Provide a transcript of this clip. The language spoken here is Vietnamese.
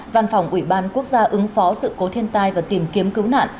văn phòng ủy ban quốc gia ứng phó sự cố thiên tai và tìm kiếm cứu nạn